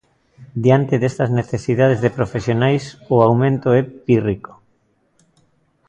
Diante destas necesidades de profesionais, o aumento é pírrico.